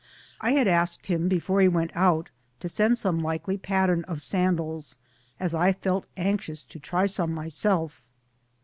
I had asked him, before he went out, to send some likely pattern of sandals, as I felt anxious to try some myself.